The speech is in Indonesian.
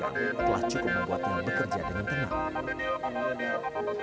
dan juga yang telah cukup membuatnya bekerja dengan tenang